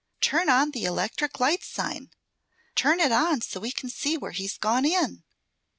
Turn on the electric light sign! Turn it on so we can see where he's gone in!"